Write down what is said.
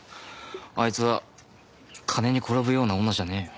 あいつは金に転ぶような女じゃねえよ。